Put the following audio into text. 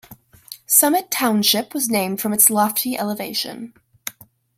Summit Township was named from its lofty elevation.